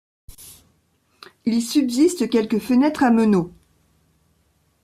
Il subsiste quelques fenêtres à meneaux.